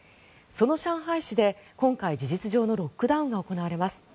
その上海市で今回事実上のロックダウンが行われます。